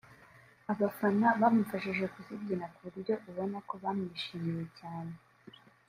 abafana bamufashije kuzibyina ku buryo ubona ko bamwishimiye cyane